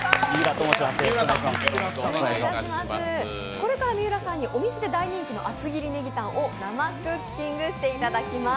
これから三浦さんにお店で大人気の厚切りネギタンを生クッキングしていただきます。